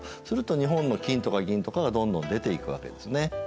すると日本の金とか銀とかがどんどん出ていくわけですね。